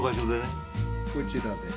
こちらで。